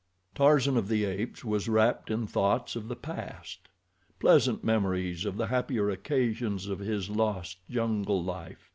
Tarzan of the Apes was wrapped in thoughts of the past; pleasant memories of the happier occasions of his lost jungle life.